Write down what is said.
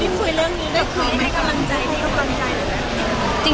พี่ทิ้งคุยเรื่องนี้เราก็ไม่ให้กำลังใจดีกว่า